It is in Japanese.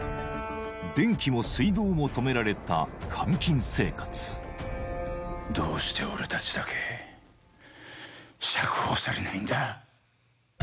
電気も水道も止められた監禁生活どうして俺たちだけ釈放されないんだ